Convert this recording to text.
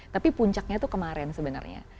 tapi puncaknya itu kemarin sebenarnya